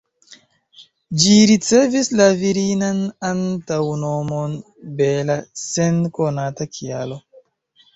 Ĝi ricevis la virinan antaŭnomon ""Bella"" sen konata kialo.